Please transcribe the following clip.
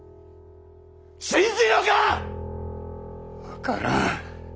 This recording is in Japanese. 分からん。